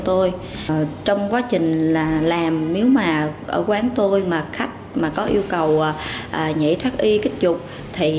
tôi trong quá trình là làm nếu mà ở quán tôi mà khách mà có yêu cầu nhảy thoát y kích chụp thì